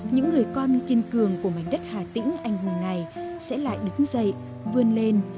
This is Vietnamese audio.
những người con kiên cường của mảnh đất hà tĩnh anh hùng này sẽ lại đứng dậy vươn lên